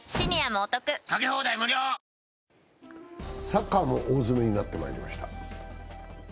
サッカーも大詰めになってまいりました。